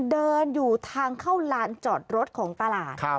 เดินอยู่ทางเข้าลานจอดรถของตลาด